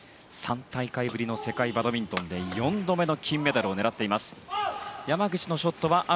３大会ぶりの世界バドミントンで４度目の金メダルを狙います。